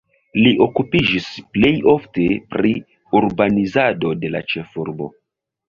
Li okupiĝis plej ofte pri urbanizado de la ĉefurbo.